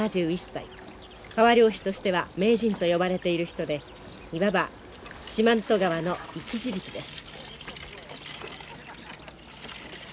川漁師としては名人と呼ばれている人でいわば四万十川の生き字引です。